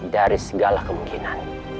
dari segala kemungkinan